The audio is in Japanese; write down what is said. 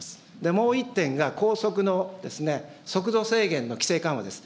もう１点が高速の速度制限の規制緩和です。